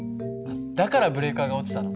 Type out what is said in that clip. だからブレーカーが落ちたの？